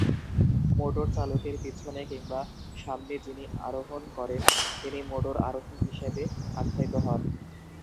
Motor চালকের পিছনে কিংবা সামনে যিনি আরোহণ করেন, তিনি মোটর আরোহী হিসেবে আখ্যায়িত হন।